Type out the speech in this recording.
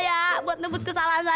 yang di rumah ya